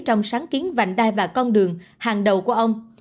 trong sáng kiến vành đai và con đường hàng đầu của ông